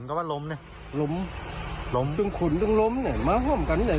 โอ้โฮ